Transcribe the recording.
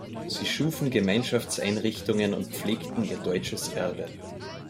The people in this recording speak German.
Sie schufen Gemeinschaftseinrichtungen und pflegten ihr deutsches Erbe.